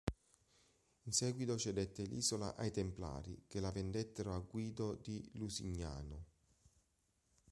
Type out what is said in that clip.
In seguito cedette l'isola ai templari, che la vendettero a Guido di Lusignano.